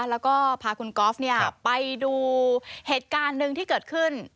แล้วก็พาคุณกอล์ฟเนี่ยไปดูเหตุการณ์นึงที่เกิดขึ้น